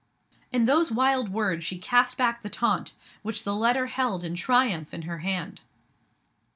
In those wild words she cast back the taunt with the letter held in triumph in her hand.